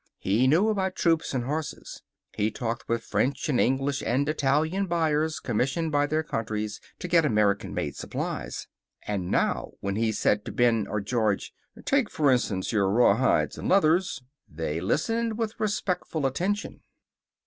He knew about troops and horses. He talked with French and English and Italian buyers commissioned by their countries to get American made supplies. And now, when he said to Ben or George, "Take, f'rinstance, your raw hides and leathers," they listened with respectful attention.